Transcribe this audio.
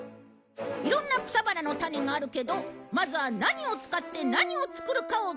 いろんな草花の種があるけどまずは何を使って何を作るかをきちんと考えて。